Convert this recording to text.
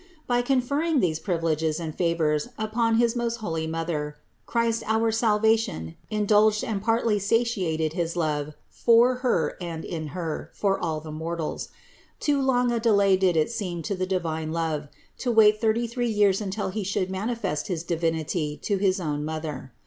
By conferring these privileges and favors upon his most holy Mother, Christ our Salva tion, indulged and partly satiated his love for Her and in Her, for all the mortals ; too long a delay did it seem to the divine love, to wait thirty three years until He should manifest his Divinity to his own Mother.